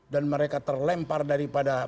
dan mereka terlempar daripada